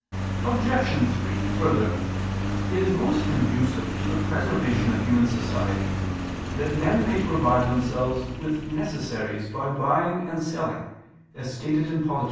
Obj. 3: Further, it is most conducive to the preservation of human society that men may provide themselves with necessaries by buying and selling, as stated in _Polit.